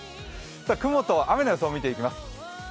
雲と雨の予想を見ていきます。